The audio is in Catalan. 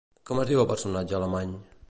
Com es diu el personatge alemany?